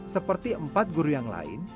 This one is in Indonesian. seperti empat guru yang lain